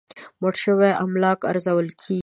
مړ شوي املاک ارزول کېږي.